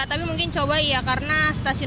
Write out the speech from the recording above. aman aman aja sih